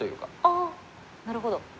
ああなるほど。